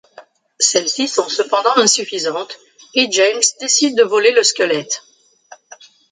Celles-ci sont cependant insuffisantes, et James décide de voler le squelette.